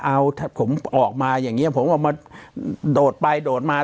เอาผมออกมาอย่างนี้ผมเอามาโดดไปโดดมา